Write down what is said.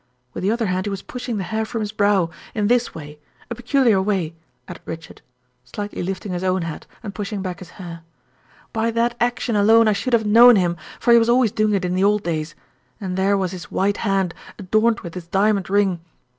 With the other hand he was pushing the hair from his brow in this way a peculiar way," added Richard, slightly lifting his own hat and pushing back his hair. "By that action alone I should have known him, for he was always doing it in the old days. And there was his white hand, adorned with his diamond ring!